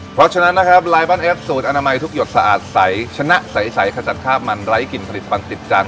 เพราะฉะนั้นนะครับลายบ้านเอฟสูตรอนามัยทุกหยดสะอาดใสชนะใสขจัดคาบมันไร้กลิ่นผลิตมันติดจาน